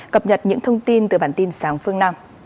cập nhật những thông tin từ bản tin sáng phương nam